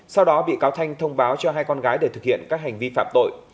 sau đó bị cáo thanh thông báo cho hai con gái để thực hiện các hành vi phạm tội